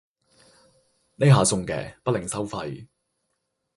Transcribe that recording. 呢下送嘅，不另收費